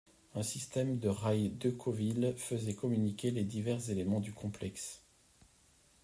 Un système de rails Decauville faisait communiquer les divers éléments du complexe.